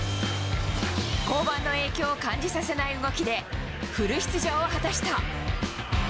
降板の影響を感じさせない動きで、フル出場を果たした。